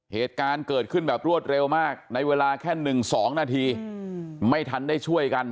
เหตุการณ์เกิดขึ้นแบบรวดเร็วมากในเวลาแค่๑๒นาทีไม่ทันได้ช่วยกัน